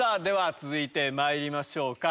続いてまいりましょうか。